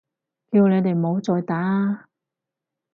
叫你哋唔好再打啊！